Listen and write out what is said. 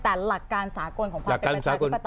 แต่หลักการสากลของความเป็นประชาธิปไตย